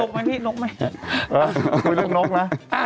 โน๊กไม่